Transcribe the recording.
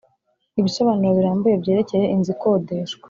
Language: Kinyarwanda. Ibisobanuro birambuye byerekeye inzu ikodeshwa